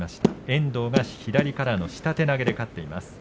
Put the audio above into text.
遠藤が左の下手投げで勝っています。